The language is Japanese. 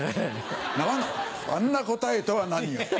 何あんな答えとは何よ。